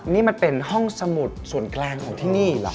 นี่มันเป็นห้องสมุดส่วนกลางของที่นี่เหรอ